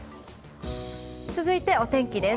続いてお天気です。